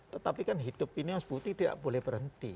tetapi kan hidup ini harus berhenti